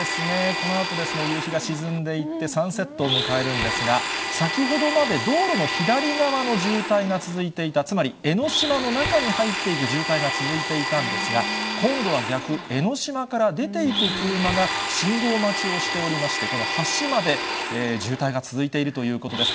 このあと、夕日が沈んでいって、サンセットを迎えるんですが、先ほどまで道路の左側の渋滞が続いていた、つまり、江の島の中に入っていく渋滞が続いていたんですが、今度は逆、江の島から出ていく車が、信号待ちをしておりまして、この橋まで渋滞が続いているということです。